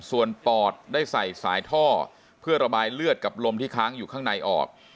ส่วนปอดได้ใส่สายท่อเพื่อระบายเลือดกับลมที่ค้างอยู่ข้างในออก